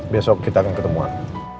besok kita akan ketemuan